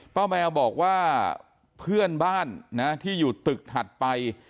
แมวบอกว่าเพื่อนบ้านนะที่อยู่ตึกถัดไป